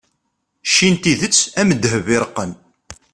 cci n tidet am ddheb iṛeqqen